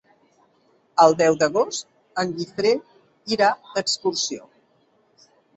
El deu d'agost en Guifré irà d'excursió.